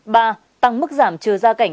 ba tăng mức giảm trừ gia cảnh